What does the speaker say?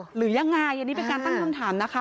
หรือยังไงอันนี้เป็นการตั้งคำถามนะคะ